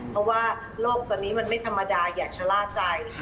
เพราะว่าโลกตอนนี้มันไม่ธรรมดาอย่าชะล่าใจ